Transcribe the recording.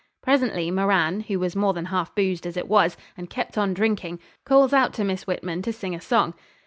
Presently Moran, who was more than half boozed as it was, and kept on drinking, calls out to Miss Whitman to sing a song.